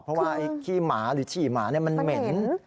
เพราะว่าไอ้ขี้หมาหรือฉี่หมามันเหม็น